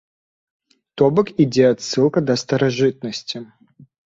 То бок ідзе адсылка да старажытнасці.